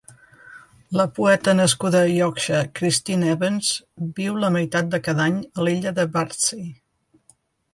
La poeta nascuda a Yorkshire Christine Evans viu la meitat de cada any a l'illa de Bardsey.